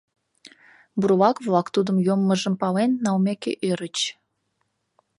Бурлак-влак тудын йоммыжым пален налмеке ӧрыч.